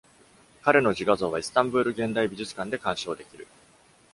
彼の自画像は、イスタンブール現代美術館で鑑賞できる。